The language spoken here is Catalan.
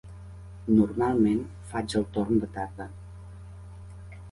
Normalment, faig el torn de tarda.